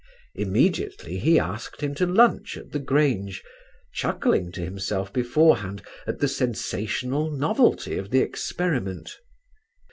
Immediately he asked him to lunch at the Grange, chuckling to himself beforehand at the sensational novelty of the experiment.